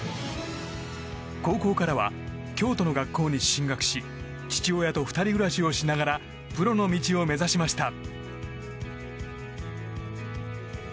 高校からは、京都の学校に進学し父親と２人暮らしをしながらプロの道を目指しました。